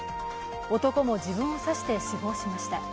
男も自分を刺して死亡しました。